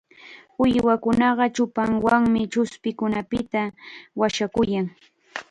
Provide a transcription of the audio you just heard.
Uywakuna chupanwanmi chuspikunapita washakuyan.